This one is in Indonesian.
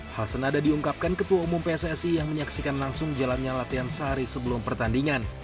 hal senada diungkapkan ketua umum pssi yang menyaksikan langsung jalannya latihan sehari sebelum pertandingan